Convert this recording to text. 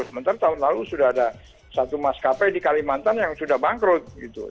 sementara tahun lalu sudah ada satu maskapai di kalimantan yang sudah bangkrut gitu